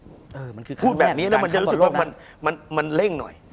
เออมันคือคำแรกการคำบอกโลกนะพูดแบบเนี้ยมันจะรู้สึกว่ามันเล่งหน่อย